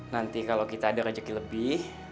nanti kalau kita ada rejeki lebih